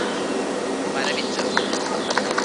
മരവിച്ച